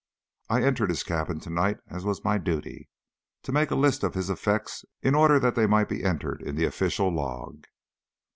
I entered his cabin to night, as was my duty, to make a list of his effects in order that they might be entered in the official log.